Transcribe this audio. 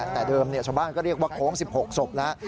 แต่เดิมชาวบ้านก็เรียกว่าโค้ง๑๖ศพแล้ว